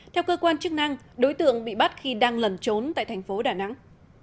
theo cơ quan chức năng đối tượng bị bắt khi đang lẩn trốn tại thành phố đà nẵng